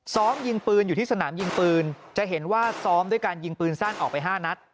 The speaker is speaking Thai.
ซ้อมยิงปืนอยู่ที่สนามยิงปืนจะเห็นว่าซ้อมด้วยการยิงปืนสั้นออกไป๕นัด